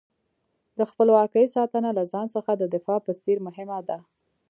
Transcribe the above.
د خپلواکۍ ساتنه له ځان څخه د دفاع په څېر مهمه ده.